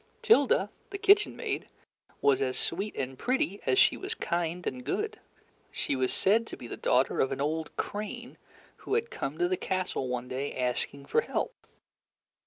Tilda, the kitchen maid, was as sweet and pretty as she was kind and good. She was said to be the daughter of an old crane who had come to the castle one day, asking for help.